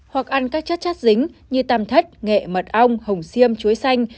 hoặc ăn các chất chát dính như tam thất nghệ mật ong hồng xiêm chuối xanh